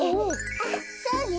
あっそうね。